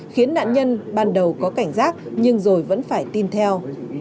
khiến nạn nhân ban đầu có cảnh giác nhưng rồi vẫn phải tin theo